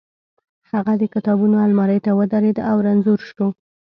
هغه د کتابونو المارۍ ته ودرېد او رنځور شو